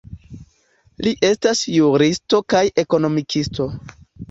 Li estas juristo kaj ekonomikisto.